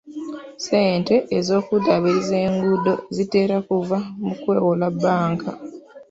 Ssente ez'okuddaabiriza enguudo zitera kuva mu kwewola bbanka.